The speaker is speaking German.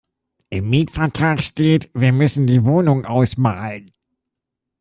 Im Mietvertrag steht, wir müssen die Wohnung ausmalen.